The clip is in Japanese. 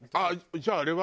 じゃああれは？